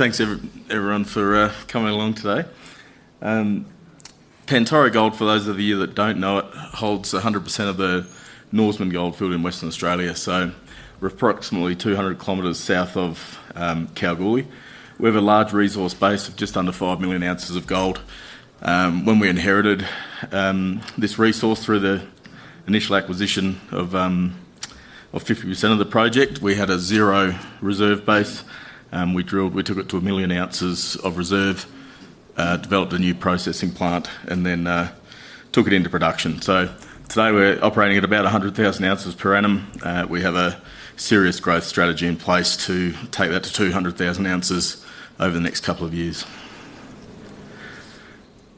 Thanks everyone for coming along today. Pantoro Gold, for those of you that don't know it, holds 100% of the Norseman Goldfield in Western Australia. We're approximately 200 km south of Kalgoorlie. We have a large resource base of just under 5 oz million of gold. When we inherited this resource through the initial acquisition of 50% of the project, we had a zero reserve base. We drilled, we took it to a million ounces of reserve, developed a new processing plant, and then took. it into production. Today we're operating at about 100,000 oz per annum. We have a serious growth strategy in place to take that to 200,000 oz over the next couple of years.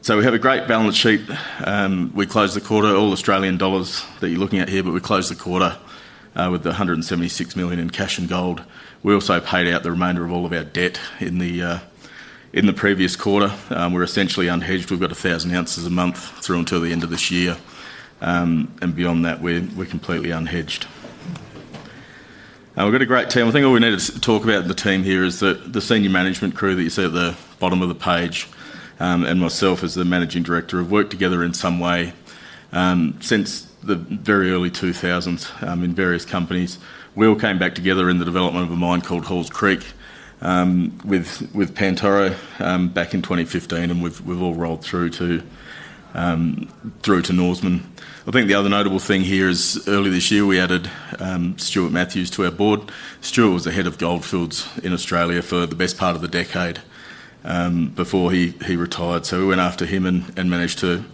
We have a great balance sheet. We closed the quarter, all Australian dollars that you're looking at here, but we closed the quarter with 176 million in cash and gold. We also paid out the remainder of all of our debt in the previous quarter. We're essentially unhedged. We've got 1,000 oz a month through until the end of this year. Beyond that, we're completely unhedged. We've got a great team. I think what we need to talk about in the team here is that the Senior Management crew that you see at the bottom of the page and myself as the Managing Director have worked together in some way since the very early 2000s in various companies. We all came back together in the development of a mine called Halls Creek with Pantoro back in 2015, and we've all rolled through to Norseman. The other notable thing here is earlier this year we added Stuart Matthews to our board. Stuart was the Head of Gold Fields Australia for the best part of the decade before he retired. We went after him and managed to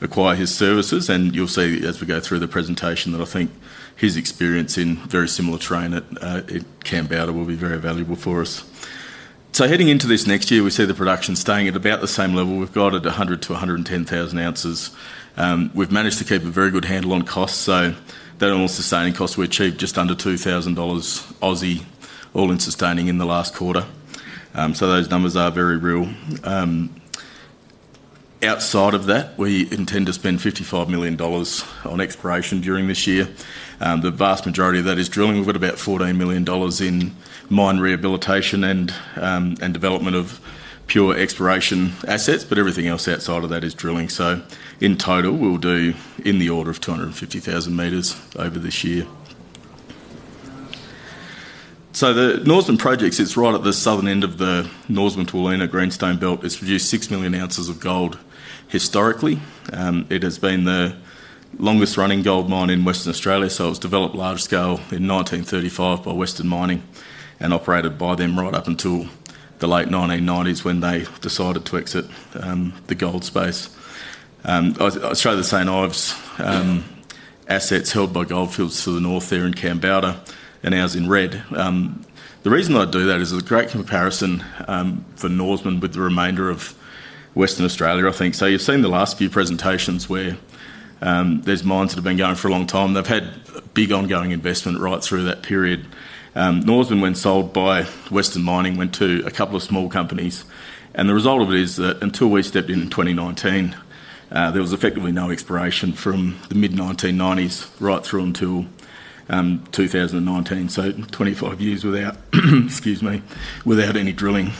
acquire his services. You'll see as we go through the presentation that I think his experience in very similar terrain at Camp Bouder will be very valuable for us. Heading into this next year, we see the production staying at about the same level. We've got it at 100,000 oz-110,000 oz. We've managed to keep a very good handle on costs. That all-in sustaining cost, we achieved just under 2,000 Aussie dollars all-in sustaining in the last quarter. Those numbers are very real. Outside of that, we intend to spend 55 million dollars on exploration during this year. The vast majority of that is drilling. We've got about 14 million dollars in mine rehabilitation and development of pure exploration assets, but everything else outside of that is drilling. In total, we'll do in the order of 250,000 meters over this year. The Norseman project is right at the southern end of the Norseman Goldfield at the Greenstone Belt. It's produced 6 oz million of gold historically. It has been the longest running gold mine in Western Australia. It was developed large scale in 1935 by Western Mining and operated by them right up until the late 1990s when they decided to exit the gold space. I showed the St. Ives assets held by Gold Fields Australia to the north there in Camp Boulder and ours in red. The reason I do that is a great comparison for Norseman with the remainder of Western Australia, I think. You've seen the last few presentations where there's mines that have been going for a long time. They've had big ongoing investment right through that period. Norseman, when sold by Western Mining, went to a couple of small companies. The result of it is that until we stepped in in 2019, there was effectively no exploration from the mid-1990s right through until 2019. That's 25 years without any drilling.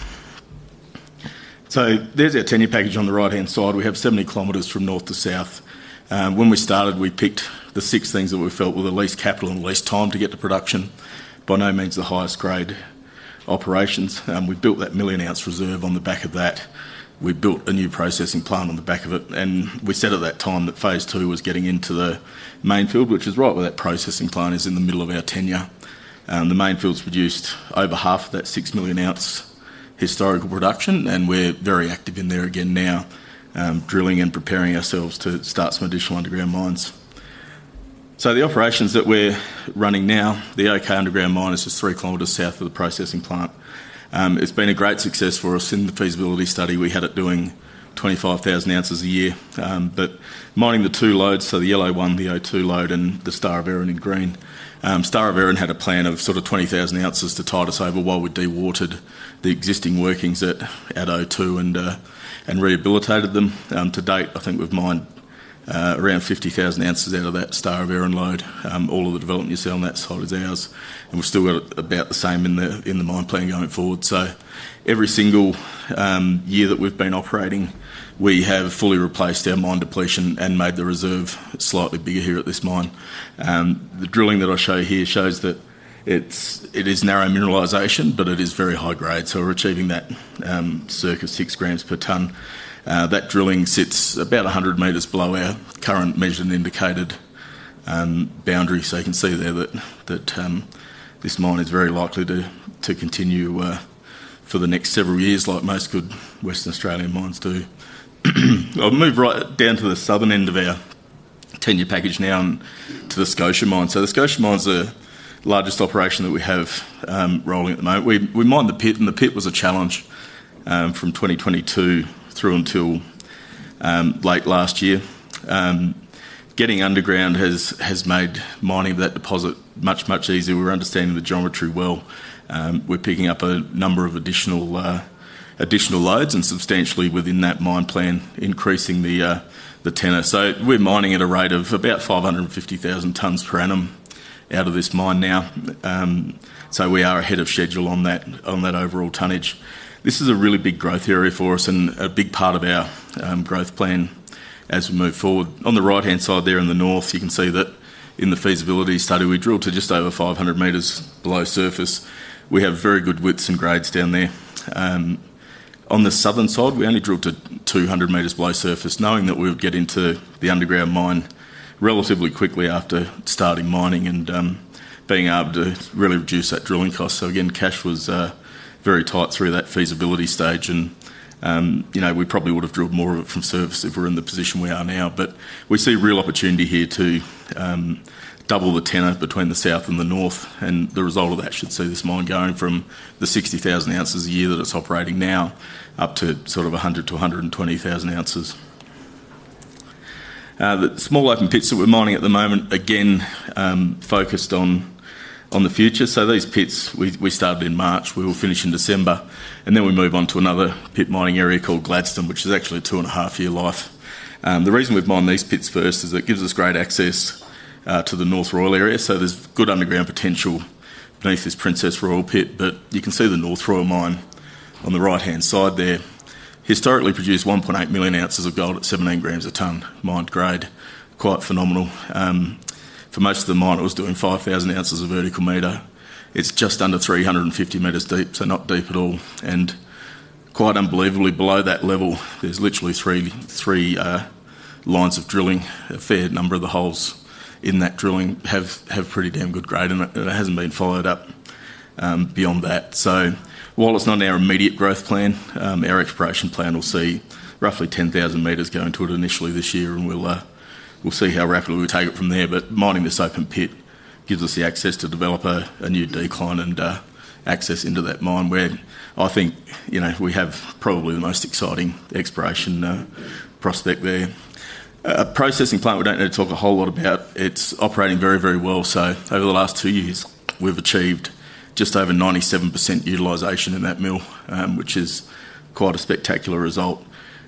There's our tenure package on the right-hand side. We have 70 km from north to south. When we started, we picked the six things that we felt were the least capital and the least time to get to production, by no means the highest grade operations. We built that million ounce reserve on the back of that. We built a new processing plant on the back of it. We said at that time that phase II was getting into the Mainfield, which is right where that processing plant is in the middle of our tenure. The Mainfield's produced over half of that 6 oz million historical production. We're very active in there again now, drilling and preparing ourselves to start some additional underground mines. The operations that we're running now, the O.K. underground mine is just three km south of the processing plant. It's been a great success for us. In the feasibility study, we had it doing 25,000 oz a year. Mining the two lodes, so the yellow one, the O2 lode, and the Star of Erin in green, Star of Erin had a plan of sort of 20,000 oz to tide us over while we dewatered the existing workings at O2 and rehabilitated them. To date, I think we've mined around 50,000 oz out of that Star of Erin lode. All of the development you see on that side is ours. We've still got about the same in the mine plan going forward. Every single year that we've been operating, we have fully replaced our mine depletion and made the reserve slightly bigger here at this mine. The drilling that I show here shows that it is narrow mineralization, but it is very high grade. We're achieving that circa six grams per ton. That drilling sits about 100 meters below our current measured and indicated boundary. You can see there that this mine is very likely to continue for the next several years, like most good Western Australian mines do. I'll move right down to the southern end of our tenure package now and to the Scotia mine. The Scotia mine's the largest operation that we have rolling at the moment. We mined the pit, and the pit was a challenge from 2022 through until late last year. Getting underground has made mining that deposit much, much easier. We're understanding the geometry well. We're picking up a number of additional lodes and substantially within that mine plan increasing the tenor. We're mining at a rate of about 550,000 tons per annum out of this mine now. We are ahead of schedule on that overall tonnage. This is a really big growth area for us and a big part of our growth plan as we move forward. On the right-hand side there in the north, you can see that in the feasibility study, we drilled to just over 500 meters below surface. We have very good widths and grades down there. On the southern side, we only drilled to 200 meters below surface, knowing that we would get into the underground mine relatively quickly after starting mining and being able to really reduce that drilling cost. Cash was very tight through that feasibility stage, and you know we probably would have drilled more of it from surface if we're in the position we are now. We see real opportunity here to double the tenor between the south and the north, and the result of that should see this mine going from the 60,000 oz a year that it's operating now up to sort of 100,000 oz-120,000 oz. The small open pits that we're mining at the moment, again, focused on the future. These pits, we started in March, we will finish in December, and then we move on to another pit mining area called Gladstone, which is actually a two and a half year life. The reason we've mined these pits first is it gives us great access to the North Royal area. There is good underground potential beneath this Princess Royal pit, but you can see the North Royal mine on the right-hand side there historically produced 1.8 oz million of gold at 17 grams a ton mined grade, quite phenomenal. For most of the mine, it was doing 5,000 oz of vertical meter. It is just under 350 meters deep, so not deep at all. Quite unbelievably, below that level, there are literally three lines of drilling. A fair number of the holes in that drilling have pretty damn good grade, and it has not been fired up beyond that. While it is not in our immediate growth plan, our exploration plan will see roughly 10,000 meters going to it initially this year, and we will see how rapidly we take it from there. Mining this open pit gives us the access to develop a new decline and access into that mine where I think we have probably the most exciting exploration prospect there. A processing plant we do not need to talk a whole lot about. It is operating very, very well. Over the last two years, we have achieved just over 97% utilization in that mill, which is quite a spectacular result.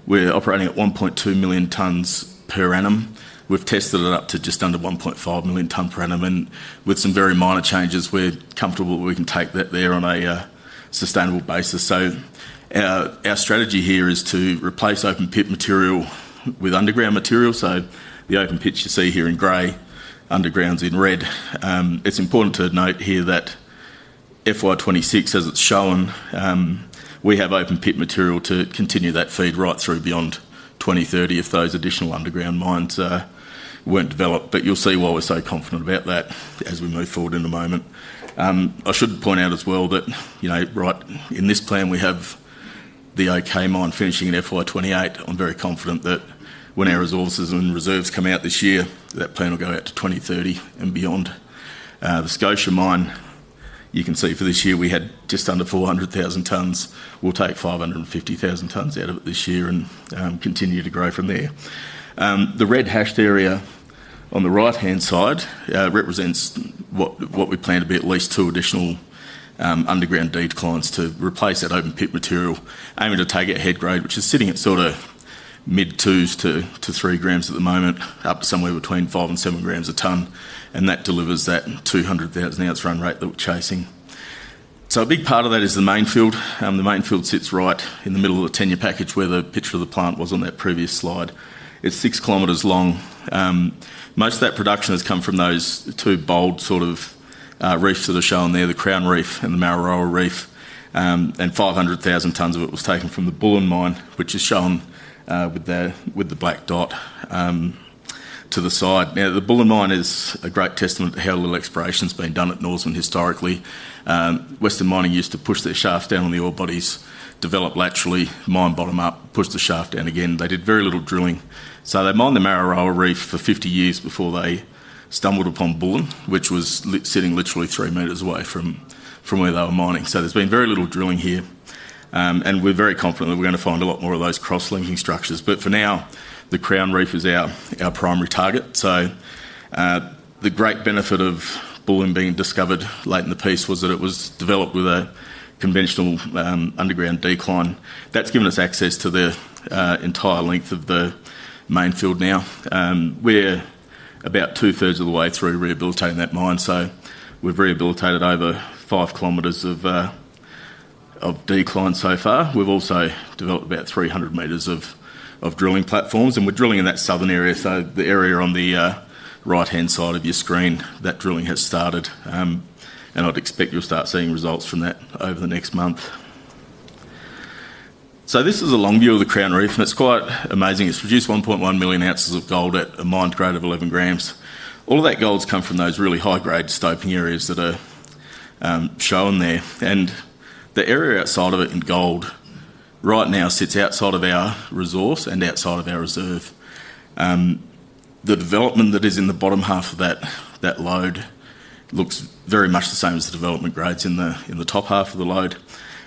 We are operating at 1.2 million tons per annum. We have tested it up to just under 1.5 million tons per annum, and with some very minor changes, we are comfortable we can take that there on a sustainable basis. Our strategy here is to replace open pit material with underground material. The open pit you see here in gray, undergrounds in red. It is important to note here that FY 2026, as it is shown, we have open pit material to continue that feed right through beyond 2030 if those additional underground mines were not developed. You will see why we are so confident about that as we move forward in a moment. I should point out as well that right in this plan, we have the O.K. underground mine finishing in FY 2028. I am very confident that when our resources and reserves come out this year, that plan will go out to 2030 and beyond. The Scotia mine, you can see for this year, we had just under 400,000 tons. We will take 550,000 tons out of it this year and continue to grow from there. The red hashed area on the right-hand side represents what we plan to be at least two additional underground declines to replace that open pit material, aiming to take it ahead grade, which is sitting at sort of mid-twos to three grams at the moment, up somewhere between five and seven grams a ton. That delivers that 200,000 oz run rate that we are chasing. A big part of that is the Mainfield. The Mainfield sits right in the middle of the tenure package where the picture of the plant was on that previous slide. It's six km long. Most of that production has come from those two bold sort of reefs that are shown there, the Crown Reef and the Mararoa Reef. 500,000 tons of it was taken from the Bullion Mine, which is shown with the black dot to the side. The Bullion Mine is a great testament to how little exploration has been done at Norseman historically. Western Mining used to push their shaft down on the ore bodies, develop laterally, mine bottom up, push the shaft down again. They did very little drilling. They mined the Mararoa Reef for 50 years before they stumbled upon Bullion, which was sitting literally three meters away from where they were mining. There has been very little drilling here. We're very confident that we're going to find a lot more of those cross-linking structures. For now, the Crown Reef is our primary target. The great benefit of Bullion being discovered late in the piece was that it was developed with a conventional underground decline. That's given us access to the entire length of the Mainfield now. We're about two-thirds of the way through rehabilitating that mine. We've rehabilitated over 5 km of decline so far. We've also developed about 300 meters of drilling platforms, and we're drilling in that southern area. The area on the right-hand side of your screen, that drilling has started. I'd expect you'll start seeing results from that over the next month. This is a long view of the Crown Reef, and it's quite amazing. It's produced 1.1 oz million of gold at a mined grade of 11 grams. All of that gold's come from those really high-grade stoking areas that are shown there. The area outside of it in gold right now sits outside of our resource and outside of our reserve. The development that is in the bottom half of that lode looks very much the same as the development grades in the top half of the lode.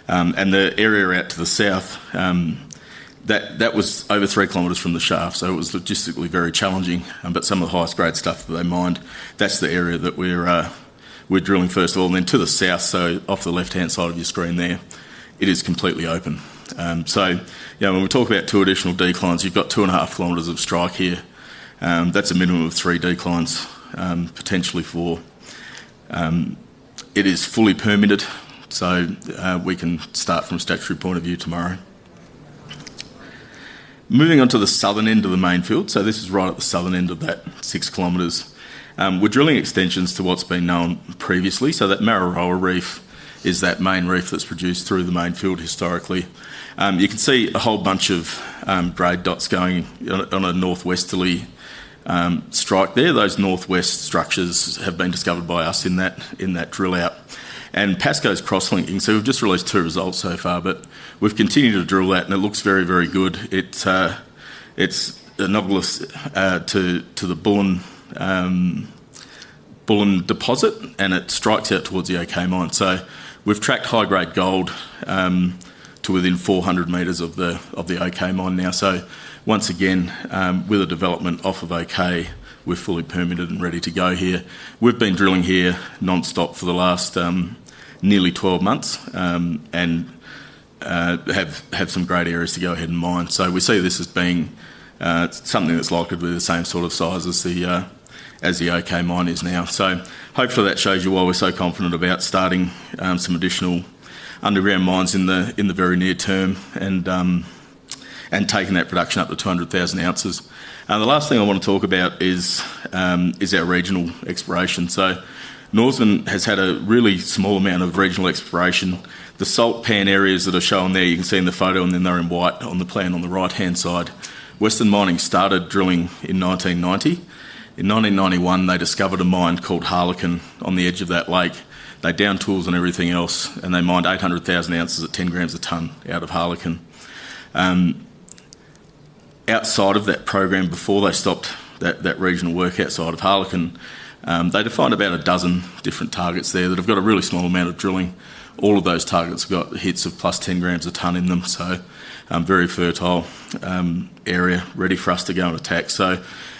The area out to the south, that was over 3 km from the shaft. It was logistically very challenging. Some of the highest grade stuff that they mined, that's the area that we're drilling first of all. To the south, off the left-hand side of your screen there, it is completely open. When we talk about two additional declines, you've got two and a half kilometers of strike here. That's a minimum of three declines potentially for. It is fully permitted, so we can start from a statutory point of view tomorrow. Moving on to the southern end of the Mainfield, this is right at the southern end of that 6 km. We're drilling extensions to what's been known previously. That Mararoa Reef is that main reef that's produced through the Mainfield historically. You can see a whole bunch of grade dots going on a northwesterly strike there. Those northwest structures have been discovered by us in that drill out, and Pasco's cross-linking. We've just released two results so far, but we've continued to drill that and it looks very, very good. It's anomalous to the Bullion deposit and it strikes out towards the O.K. underground mine. We've tracked high-grade gold to within 400 meters of the O.K. underground mine now. Once again, with a development off of O.K., we're fully permitted and ready to go here. We've been drilling here nonstop for the last nearly 12 months and have some great areas to go ahead and mine. We see this as being something that's likely to be the same sort of size as the O.K. underground mine is now. Hopefully that shows you why we're so confident about starting some additional underground mines in the very near term and taking that production up to 200,000 oz. The last thing I want to talk about is our regional exploration. Norseman has had a really small amount of regional exploration. The salt pan areas that are shown there, you can see in the photo and then they're in white on the plan on the right-hand side. Western Mining started drilling in 1990. In 1991, they discovered a mine called Harlequin on the edge of that lake. They downed tools and everything else and they mined 800,000 oz at 10 grams a ton out of Harlequin. Outside of that program, before they stopped that regional work outside of Harlequin, they defined about a dozen different targets there that have got a really small amount of drilling. All of those targets have got hits of plus 10 grams a ton in them. Very fertile area, ready for us to go and attack.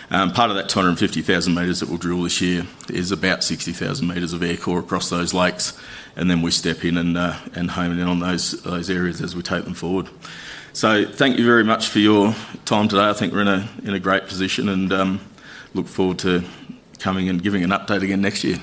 Part of that 250,000 meters that we'll drill this year is about 60,000 meters of air core across those lakes, and then we step in and hone in on those areas as we take them forward. Thank you very much for your time today. I think we're in a great position and look forward to coming and giving an update again next year.